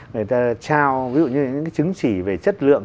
người ta trao ví dụ như những cái chứng chỉ về chất lượng